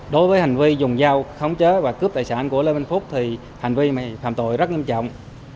đối với hành vi dùng dao khống chế và cướp tài sản của lê minh phúc thì hành vi này phạm tội rất nghiêm trọng